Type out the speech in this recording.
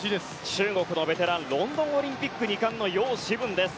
中国のベテランロンドンオリンピック２冠のヨウ・シブンです。